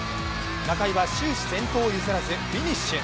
中井は終始先頭を譲らずフィニッシュ。